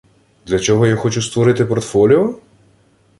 Для чого я хочу створити портфоліо?